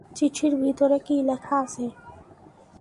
চিঠির ভিতরে কী লেখা আছে?